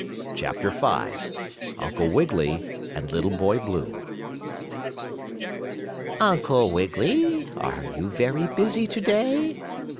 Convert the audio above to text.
CHAPTER V UNCLE WIGGILY AND LITTLE BOY BLUE "Uncle Wiggily, are you very busy to day?"